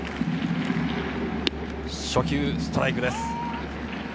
初球、ストライクです。